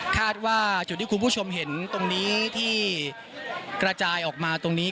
คาดว่าจุดที่คุณผู้ชมเห็นตรงนี้ที่กระจายออกมาตรงนี้